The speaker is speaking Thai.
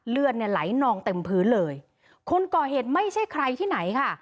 เลือดเนี่ยไหลนองเต็มพื้นเลยคนก่อเหตุไม่ใช่ใครที่ไหนค่ะ